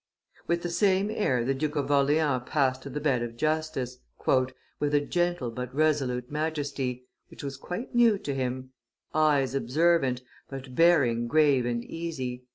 With the same air the Duke of Orleans passed to the bed of justice, "with a gentle but resolute majesty, which was quite new to him; eyes observant, but bearing grave and easy; M.